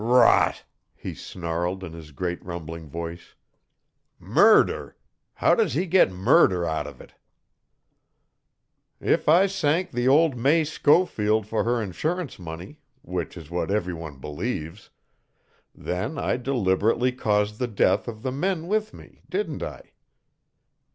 "Rot!" he snarled in his great rumbling voice. "Murder? How does he get murder out of it?" "If I sank the old May Schofield for her insurance money, which is what every one believes, then I deliberately caused the death of the men with me, didn't I?